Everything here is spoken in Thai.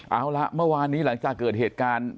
เอาละเมื่อวานนี้หลังจากเกิดเหตุการณ์